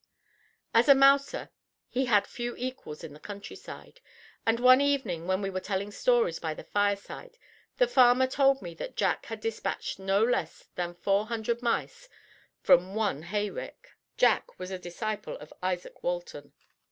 As a mouser he had few equals in the countryside, and one evening when we were telling stories by the fireside the farmer told me that Jack had despatched no less than four hundred mice from one hay rick. Jack was a disciple of Isaak Walton.